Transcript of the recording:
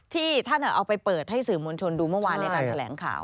ที่ท่านเอาไปเปิดให้สื่อมวลชนดูเมื่อวานในการแถลงข่าว